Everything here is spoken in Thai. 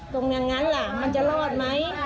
ตรงนั้นล่ะมันจะรอดไหม